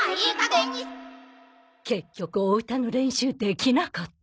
結局お歌の練習できなかった。